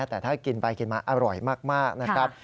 แต่ถ้ากินไปกินมาอร่อยมากนะครับ